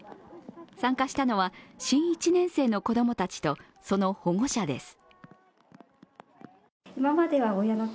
参加したのは新１年生の子供たちとその保護者です。